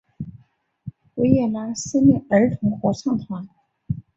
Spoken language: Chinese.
维也纳森林儿童合唱团。